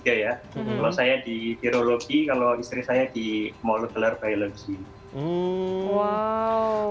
kalau saya di biologi kalau istri saya di molecular biology